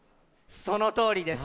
そのとおりです！